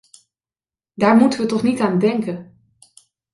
Daar moeten we toch niet aan denken.